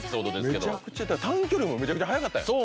短距離もめちゃくちゃ速かったんや！